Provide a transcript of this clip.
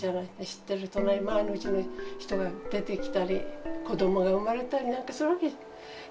知ってる前のうちの人が出てきたり子どもが生まれたりなんかするわけじゃない。